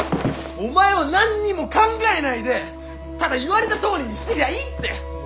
お前は何にも考えないでただ言われたとおりにしてりゃいいんだよ！